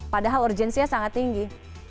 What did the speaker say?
padahal urgensinya sangat tinggi